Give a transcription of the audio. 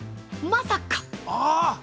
まさか◆